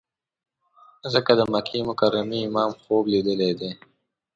ځکه د مکې مکرمې امام خوب لیدلی دی.